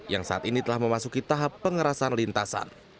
yang saat ini telah memasuki tahap pengerasan lintasan